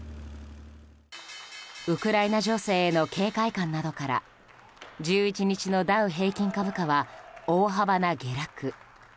ウクライナ情勢への警戒感などから１１日のダウ平均株価は大幅な下落。